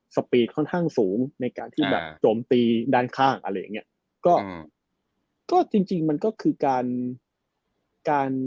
สปีดค่อนข้างสูงในการที่แบบโจมตีด้านข้างอะไรอย่างเงี้ยก็ก็จริงจริงมันก็คือการการ